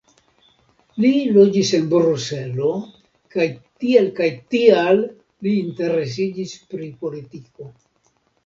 Li loĝis en Bruselo kaj tiel kaj tial li interesiĝis pri politiko.